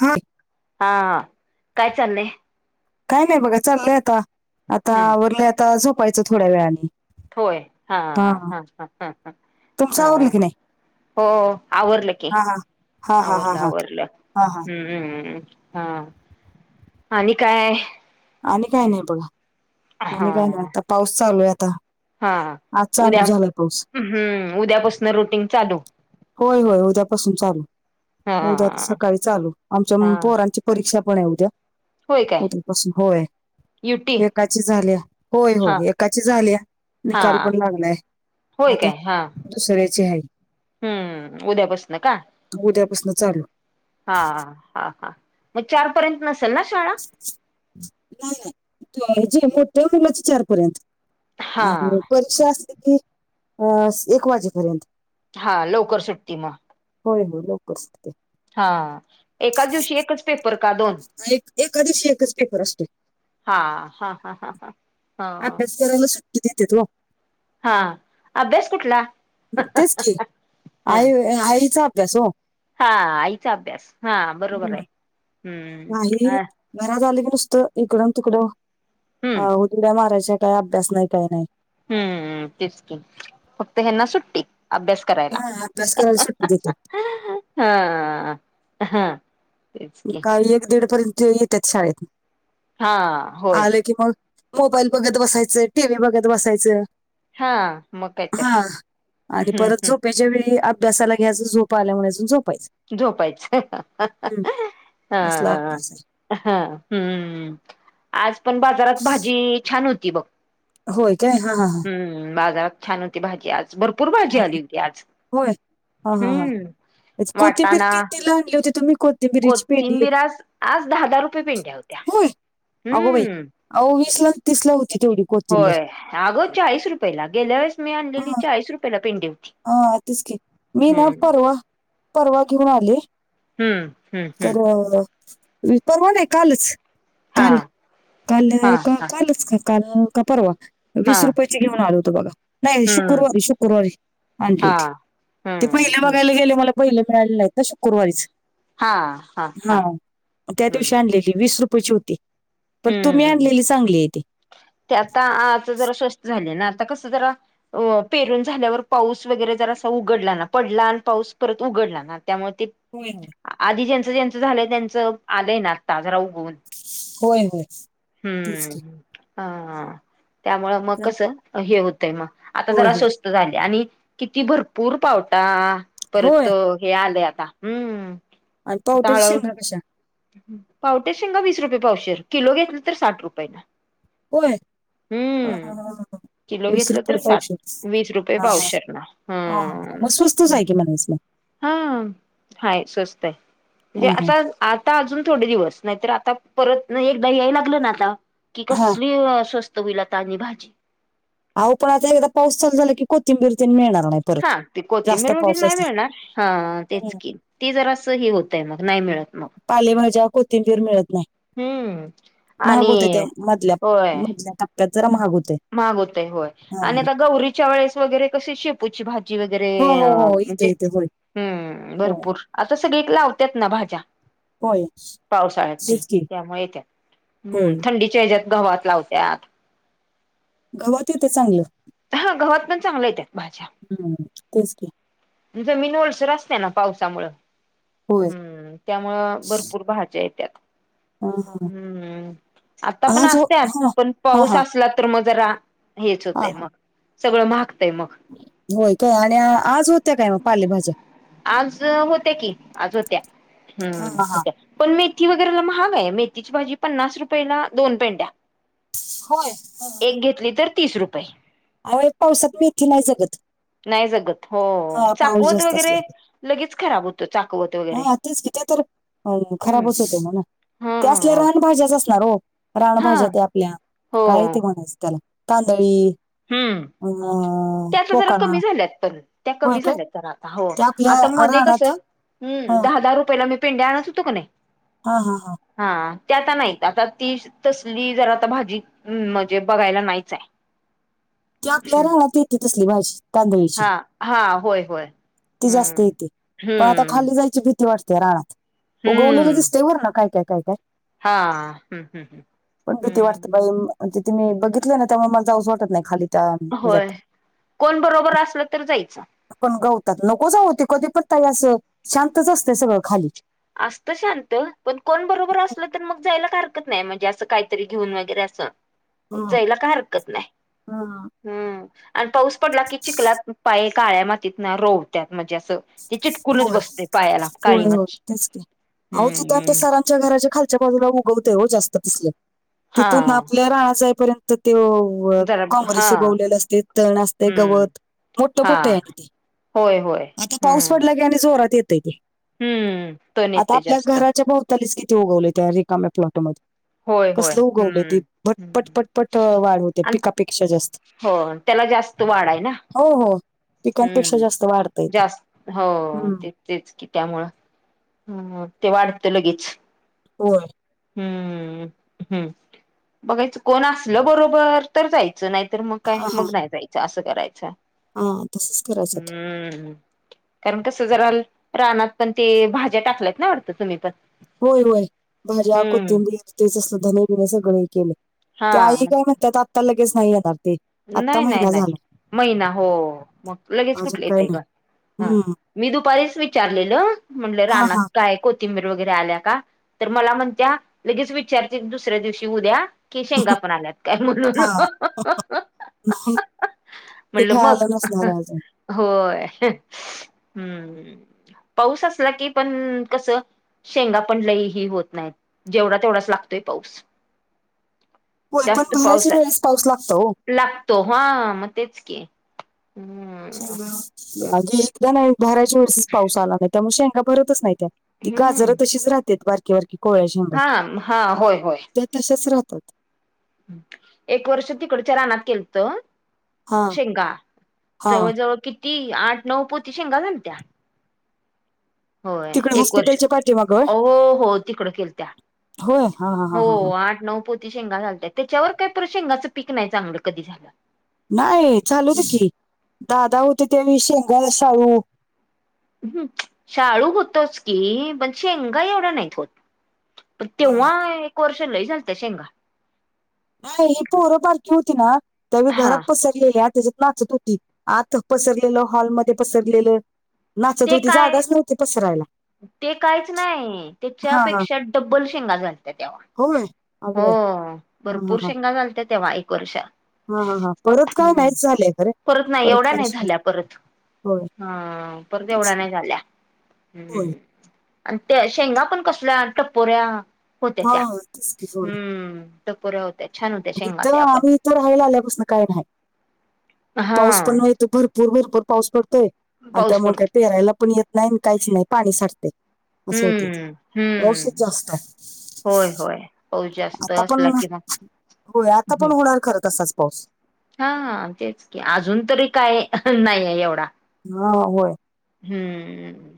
हा. हा हा काय चालय? काय नाही बघा चालंय आता, आता हम्म आवरलय आता झोपायचं थोड्या वेळानी. होय, हा हा हा हा हा तुमचं आवरलं हा. की नाही हो आवरलं की, हा हा हा हा हा आवरलं हा आवरलं हा हा हम्म. हम्म, हा, आणि काय? आणि काय नाही बघा, हा आणि काय नाही, आता पाऊस चालू आहे आता हा, आज उद्या चालू झालाय पाऊस हम्म, उद्यापासून रुटीन चालू. होय होय, उद्यापासून चालू, हा उद्याच सकाळी चालू आमच्या हा अं पोरांची परीक्षा पण आहे उद्या होय काय उद्यापासून होय. युटी एकाची झालीया होय, हा होय एकाची झालीया हा निकाल पण लागलाय. होय आता काय, हा दुसऱ्याची हाय. हम्म, उद्यापासन का, उद्यापासून चालू हा हा हा मग चारपर्यंत नसेल ना शाळा? नाही नाही, जे मोठ हाय त्याची चार पर्यंत हा आणि परीक्षा असली की, अ एक वाजेपर्यंत. हा, लवकर सुटती म होय होय, लवकर सुटते. हा, एकाच दिवशी एकच पेपर का दोन? नाही, एकादिवशी एकच पेपर असतो. हा, हा हा हा हा. हा अभ्यास करायला सुट्टी देत्यात हो. हा, अभ्यास कुठला तेच की ह आई, आईचा अभ्यास हो हा, आईचा अभ्यास, हा बरोबर हम्म. आहे, नाही हम्म अ घरात आलं की नुसतं इकडून तिकडं हम्म अहो उड्या मारायच्या, काय अभ्यास नाही काय नाही हम्म, तेच की फक्त ह्यांना सुट्टी अभ्यास करायला हा अभ्यास करायला सुट्टी देतात हा, ह. का एक दीड पर्यंत येत्यात शाळेतन, हा होय आलं की मग मोबाईल बघत बसायचं, टी व्ही बघत बसायचं. हा मग काय तर हा, आणि हम्म परत हम्म झोपेच्या वेळी आब भ्यासाला घ्यायचं झोप आलावयाच झोपायचं. झोपायचं, हा. हम्म. असला अभ्यास आहे हा, हम्म, आज पण बाजारात भाजी छान होती बघ. होय काय हा हा. हा हम्म बाजारात छान होती भाजी आज. भरपूर भाजी आली होती आज, हम्म. अच कोथिंबीर वाटाणा कितीला आणली होती तुम्ही कोथिंबीरीची पिंडी एक? कोथिंबीर आज आज दहा दहा रुपये पेंड्या होत्या होय. हम्म. आहो वीसला तीसला होती तेवढी. कोथिंबीर. होय अगं चाळीस रुपयेला गेल्या वेळेस मी आणलेली चाळीस रुपयाेला पिंडी होती. हा तेच की, मी ना हम्म परवा, परवा घेऊन आले. हम्म हम्म हम्म तर अ, परवा नाही कालच. हा काल, काल हा का हा कालच काल का परवा, हा वीस रुपये ची घेऊन आल होत बघा, नाही हम्म शुक्रवारी शुक्रवारी. आणली हा. होती, ते हम्म बैल हम्म बघायला गेले मला बैल मिळाली नाहित न शुक्रवारीच. हा, हा, हा. हां, त्या हम्म दिवशी आणलेली वीस रुपयाेची होती, पण तुम्ही हम्म. आणलेली चांगली आहे ती. ते आता आज जरा स्वस्त झाली ना आता कसं जरा अ पेरून झाल्यावर पाऊस वगैरे जरासा उघडला ना पडला अन पाऊस परत उघडला ना त्यामुळे ते होय [unintelligible] आधी ज्यांच ज्यांच झालय त्यांच आलय ना आता जरा उगवून. होय, होय. तेच की हम्म, हा. त्यामुळ म क त्याम- कसं, हे होतंय म, आता होय जरा होय स्वस त झाक्या आणि, किती भरपूर पावटा, परत होय हे आलय आता, हम्म. आन पावट्याच्या शिंगा कश्या? पावट्याच्या शेंगा वीस रुपये पावशर किलो घेतलं तर साठ रुपयेला. होय, ह ह ह. किलो वीस घेतलं तर रुपये साठ पावशेर, वीस रुपये हा हा, पावशेरला आ ह हम्म. म स्वस्तच हम्म. आहे की म्हणायच? हा, हाय स्वस्त आहे, म्हणजे ह ह आता आता अजून थोडे दिवस नाहीतर आता परतन एकदा याय लागलं न आता, कि हा कसली स्व त होईल आता आणि भाजी. आहो पण आता एकदा पाऊस चालू झाल की कोथिंबीर तेन मिळणार नाहीत. हा, ते कोथिंबीर वगैरे नाही मिळणार, हा तेच. कि, ती जरास हे होतय म नाही मिळत म. पालेभाज्या कोथिंबीर मिळत नाही. हम्म. महाग होत्याता आणि ओ मधल्या, होय. मधल्या टप्प्यात जरा महाग होतय. महाग होतय होय, हा आणि आता गौरीच्या वेळेस वगैरे कशी शेपूची भा जी वगैरे हो हो हो म्हणजे, येतय येतय होय हम्म हो भरपूर आता सगळी लावत्यात ना भाज्या. होय पावसाळ्यात ही, तेच की त्यामुळे त्या, हम्म होय थंडी च्या हेज्यात घावात लावत्यात. गव्हात येतय चांगलं. हा गव्हात पण चांगल्या येत्या भाज्या हम्म तेच की. जमीन ओलसर असत्या ना पावसामुळ. होय. हम्म त्यामुळं भरपूर भाज्या येत्यात. हा हा हम्म आता पण आज हो असत्यात हा पण हा पाऊस हा असला तर मग जरा हेच हा होतय हा मग सगळं माहगतय मग होय काय आणि आज हो आज होत्या की आज होत्या हा हम्म हा हा होत्या. पण मेथी वगैरेला महाग हाय मेथीची भाजी पन्नास रुपयेला दोन पेंड्या. होय हा. एक घेतली तर तीस रुपये. अवो एक पावसात मेथी नाय जगत. नाय जगत. हो हा पाऊस चाकवत जास्त वगैरे असला की लगेच खराब होतो चाकवत वगैरे हो हो हम्म खराबच होतय ना हा त्या असल्या रान भाज्याच असणार ओ हा रानभाज्या त्या आपल्या हो काय ते म्हणायचं त्याला तांदळी हम्म अं, त्या आता जरा पोकाळा कमी झाल्यात पण त्या होय कमी काय झाल्या जरा आता हो ते आपल्या आता मध्ये कस रानात हम्म हा दहा दहा रुपयाला मी पेंड्या आणत होतो क नाय हा हा हा. हा ते आता नाहीत आता ती तसली जर आता भाजी म म्हणजे बघायला नाईच हाय. ती आपल्या रानात येते तसली भाजी तांदळीची हा हा होय होय ती जास्त हम्म. येते पण आता हम्म. खाली जायची भीती वाट त्या रानात उगवलेली हम्म. दिसतय वरना काय, काय, काय, काय हा हम्म हम्म हम्म. अ तिथे मी बघितले ना त्यामुळ मला जाऊस वाटत नाय खाली त्या होय ह्याच्यात कोण बरोबर असल तर जायचं. पण गवतात नको जाऊ ते कधी पण काय असं शांतच असतय सगळं खाली. आसत शांत पण कोण बरोबर असलं तर मग जायला हरकत नाय म्हणजे असं कायतरी घेऊन वगैरे असं. जायला काय हरकत नाय हम्म आण पाऊस पडला की चिकला पाय काळ्या मातीतना रोवतात म्हणजे असं ते चिटकूनच होय बसतय पायाला काळी होय होय माती तेच की अहो तिथ [unintelligible] हम्म. सरांच्या घराच्या खालच्या बाजूला उगवते हो जास्त तिसल हा. तिथून आपल्या राहनात जाईपर्यंत त्यो [unintelligible] जरा हा. काँग्रेस उगवलेलं असतय, तण असतय, हम्म. गवत मोठ हा. मोठय आणि ते होय होय. आता पाऊस हम्म. पडला की आणि जोरात येतय ते हम्म. तण आता येतय आपल्या जास्त. घराच्या भव [unintelligible] किती उगवलय त्या रिकाम फ्लॉटमध्ये होय होय कसलं उगवलंय हम्म. ते भट हम्म. पटपट पट वाढ होते आणि पिकापेक्षा जास्त हो त्याला जास्त वाढ हाय ना. हो हो पिकांपेक्षा हम्म जास्त वाढतय. जास्त हो ते तेच की त्यामुळं हम्म ते वाढतं लगीच व्हय. हम्म बघायचं कोण असलं बरोबर तर जाय च नाय तर मग काय हा हा मग नाय जायचं असं करायचं. हा तसच करायचं ते हम्म ह कारण कसं जरा रानात पण ते भाज्या टाकल्यात ना वाटतं तुम्ही पण होय होय भाज्या हम्म कोथिंबीर तेच असं धने बिने सगळे केलय हा ते आली का मग ते आत्ता लगेच नाही येणार ते आत्ता नाही नाही महिना नाही झाला महिना हो मग लगेच अजून कुठलं काही येतय नाही ग हा हम्म मी दुपारीच विचारलेलो म्हंटल हा रानात हा काय कु तिंबीर वगैरे आल्या का तर मला म्हणत्या लगेच विचारते दुसऱ्या दिवशी उद्या कि शेंगा पण आल्यात काय म्हणून हं हं हं ते खय ते खायला नसणार आहे अजून होय हें हम् पाऊस असला की पण कसं शेंगा पण लई ही होत नाहीत जेवढा तेवढाच लागतोय पाऊस होय पण जास्त पाऊस भरायच्या वेळेस पाऊस लागतोय हो लागतो हा मग तेच की हम्म नाही ग अगदी एकदा नाही भरायच्या वेळेसच पाऊस आला नाही त्यामुळे शेंगा भरतच नाही त्या ती हम्म गाजरं तशीच राहतात बारकी बारकी कोवळ्या शेंगा हा हा होय त्या तशाच राहतात ह एक वर्ष तिकडच्या रानात केलतं हा शेंगा हा जवळजवळ किती आठ नऊ पोती शेंगा झालत्या होय तिकडे एक वर्ष हॉस्पिटलच्या पाठीमाग होय अ हो हो तिकडं केलत्या होय हा हा हा हो हा हा आठ नऊ पो ती शेंगा झालत्या त्याच्यावर काही शेंगाचं पीक नाही चांगलं कधी झालं नाही चालू होतं की दादा होते त्या वेळी शेंगा शाळू हम् शाळू होतोच की पण शेंगा एवढ्या नाहीत होत पण तेव्हा एक वर्ष लई झालत्या शेंगा नाही हि पोरं बारकी होती ना त्यावेळी घरात हा पसर लेली आत त्याच्यात नाचत होती आत पसरलेलं हॉलमध्ये पसरलेलं नाचत ते होती काय जागाच नव्हती पसरायला ते काहीच नाही हा हा त्याच्यापेक्षा डब्बल शेंगा झालत्या तेव्हा होय हो बाई हा हा भरपूर हा. शेंगा झालत्या तेव्हा एक वर्ष हा हा हा परत काय हम्म नाहीच झालंय खरे परत नाही एवढ्या काय नाही सुद्धा झाल्या परत होय हा पर तेच एवढ्या की नाही झाल्या होय हम्म आणि त्या शेंगा पण कसल्या टपोऱ्या होत्या त्या होय तेच की हम्म टपोऱ्या होत्या छान होत्या शेंगा इथं त्या पण आम्ही इथं राहायला आल्यापसनं काय नाय हा पाऊस पण आहे इथं भरपूर भरपूर पाऊस पडतोय आणि पाऊस त्यामुळे काय पडतो पेरायला पण येत नाही काहीच नाही पाणी साठतंय असं होतय हम्म पाऊसच हम्म जास्त हाय होय होय पाऊस जास्त आता पण असला कि मग होणार, आता पण होणार खरं तसाच पाऊस हा हा तेच की अजून तरी काय अहं नाहीये एवढा हा होय हम्म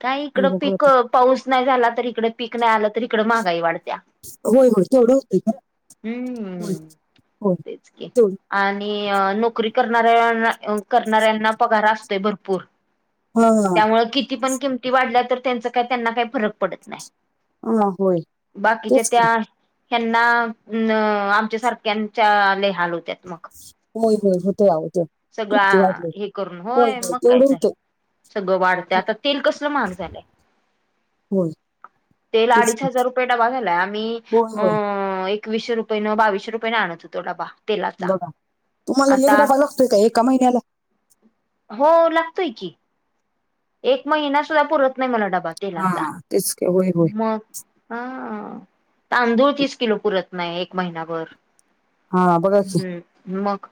काय इकडं बघू पिक आता. पाऊस नाही झाला तर इकडं पीक नाही आलं तर इकडं महागाई वाढत्या होय होय तेवढ होतय का? होय हम्म होय तेच की तेवढ आणि नोकरी करणाऱ्या करणाऱ्यांना पगार असतोय भरपूर. हा हा त्यामुळ किती पण किमती वाढल्या तर त्यांच काय त्यांना काय फरक पडत नाही. हा होय बाकीच्या तेच की त्या ह्यांना, आमच्या सारख्यांच्या लई हाल होत्यात मग. होय होय होतोया होतोय. सगळा हे करून, होय मग काय तेवढं तर. होतंय सगळ वाढतय. आता तेल कसल महाग झालय. होय तेल तेच अडीच की हजार रुपये डबा झालाय. आम्ही होय अ होय एक एकवीसशे रुपयन, बावीशे रुपयेन आणत होतो डबा. तेलाचा बघा, तुम्हाला एक आता डबा लागतोय का एका महिन्याला. हो लागतोय की. एक महिना सुद्धा पुरत नाही मला डबा हा तेलाचा. तेच की होय होय मग ह, तांदूळ तीस किलो पुरत नाही एक महिनाभर. हा बघा की हम्म मग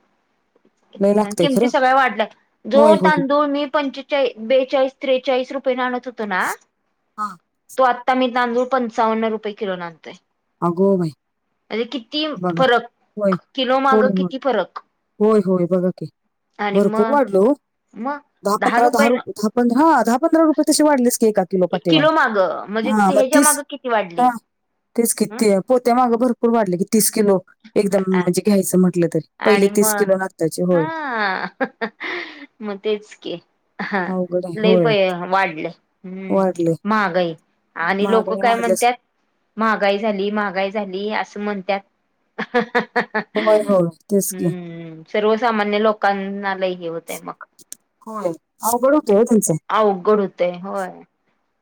लय लागतंय किमती खरं सगळ्या वाढल्यात. जो होय होय तांदूळ मी पंचेचाळीस बे चाळीस, त्रेचाळीस रुपयाने आणत होतो ना. हा तो आत्ता मी तांदूळ पंचावन्न रुपये किलोने आणतोय. अगो बाई म्हणजे किती बघा फरक होय किलो माग [unintelligible] किती फरक होय होय बघा की. आणि भरपूर मग वाढलय हो. दहा, पंधरा, दहा रुपये दहा पंधरा, दहा पधरा रुपये तशे वाढले की एका किलो एक पाठी. किलो माग, म्हणजे ते ह्याच्या माग किती वाढले. हा तेच ह किती पोत्या माग भरपूर वाढले की तीस किलो. एकदम म्हणजे घ्यायच म्हटल तरी. पहिले आणि तीस मग किलो न आत्ताचे होय. हा मग तेच कि. हा अवघड आहे लई होय बया वाढल. हम्म वाढले महागाई, आणि लोक महागाई काय वाढल्यास म्हणत्यात महागाई झाली. महागाई झाली अस म्हणत्यात. होय होय तेच की हम्म, सर्वसामान्य लोकांना लई हे होतय मग. होय, अवघड होतय ओ त्याच. अवघड होतय होय.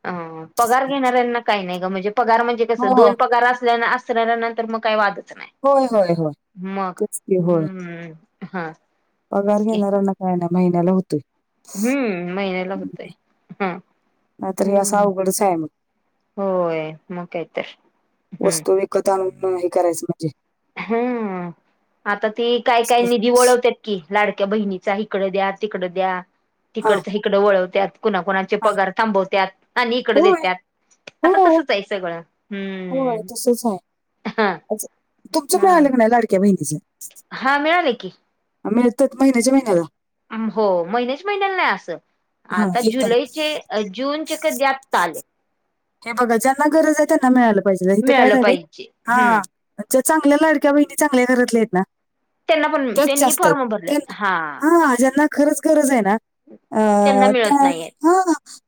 अ पगार घेणाऱ्यांना काही नाही ग. म्हणजे पगार म्हणजे कस हो दोन हो पगार असल्यान असल्यान नंतर मग काय वाटत होय होय होय तेच की होय. हम्म हा पगार घेणारांना काय नाही महिन्याला हो हम्म, महिन्याला होतय. हम्म नाहीतर हे असं हम्म, अवघडच आहे मग होय मग काही तर. हम्म कत आणून हे करायच म्हणजे हम्म, आता ती काय काय निधी वळवत्यात. की लाडक्या बहिणीचा इकड द्या. तिकड द्या. हा तिकडच इकड वळवत्यात. कुणाकुणा चे हा पगार थांबवतात आणि इकड होय देतात. हो आता तसच आहे सगळ. होय तसच आहे. तुमच हा मिळाले का नाही लाडक्या बहिणीचे. हा मिळाले की. मिळत्यात महिन्याच्या महिन्याला. हो महिन्याच महिन्याला नाही असं. हा आता एकदम जुलैचे जूनचे कधी आत्ता आले. हे बगा ज्यांना गरज आहे त्यांना मिळालं पाहिजे इथं काय मिळालं झालंय. पाहिजे हा हम्म ज्या चांगल्या लाडक्या बहिणी चांगल्या घरातल्या आहेत ना. त्यांना पण त्याच त्यांनी जास्त फॉर्म आहे, भरलेत हा हा ज्यांना खरंच गरज आहे ना, त्यांना अ मिळत त्या नाहीयेत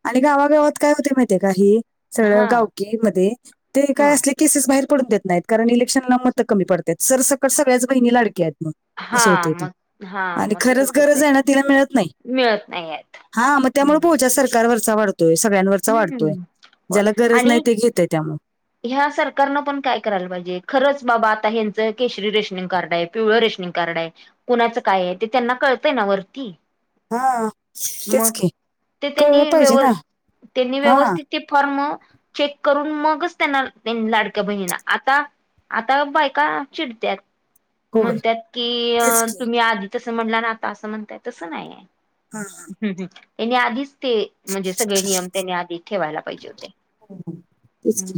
आणि गावागावात काय होते माहितीे काही सगळं हा गावकी मध्ये ते हा काय असले केसेस बाहेर पडून देत नाहीत कारण इलेक्शनला मतं कमी पडत आहेत सर सकट सगळ्याच बहिणी लाडक्या आहेत मग, असं हा होतंय ते मग हा आणि मग खरंच तसच होतय गरज आहे ना तिला मिळत नाही. मिळत नाही आहेत हा मग त्यामुळे हम्म बोजा सरकारवरचा वाढतोय सगळ्यांवरचा वाढतोय. हो ज्याला गरज नाही आणि ते घेतंय त्यामुळं. ह्या सरकारनं पण काय करायला पाहिजे खरंच बाबा आता हेचं केशरी रेशनिंग कार्ड आहे. पिवळं रेशनिंग कार्ड आहे कुणाचं काय आहे ते त्यांना कळतय ना वरती. हां, मग तेच की. ते कळलं त्यांनी पाहिजे व्यव ना. त्यांनी हां, व्यवस्थित ते फॉर्म चेक करून मगच त्यांना लाडक्या बहिणीला आता आता बायका चिडतात. होय. म्हणतात की तेच की. तुम्ही आधी तसं म्हणला ना आता असं म्हणताय तसं नाहीय. हा हा हम्म हम्म त्यानी आधीच ते [inaudible] हे नियम त्यांनी ठेवायला पाहिजे होते. तेच की.